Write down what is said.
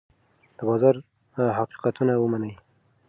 د بازار حقیقتونه ومنئ.